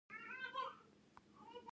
کندز سیند د افغانانو د ژوند طرز اغېزمنوي.